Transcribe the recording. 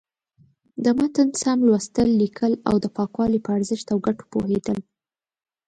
د متن سم لوستل، ليکل او د پاکوالي په ارزښت او گټو پوهېدل.